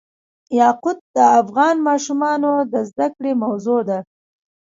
یاقوت د افغان ماشومانو د زده کړې موضوع ده.